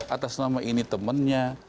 atas nama ini temennya